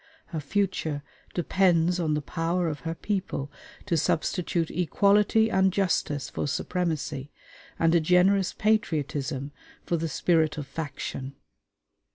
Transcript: Her future depends on the power of her people to substitute equality and justice for supremacy, and a generous patriotism for the spirit of faction.